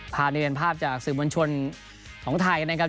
ภาระอื่นเป็นภาพจากสื่อมนตร์ชนของไทยนะครับ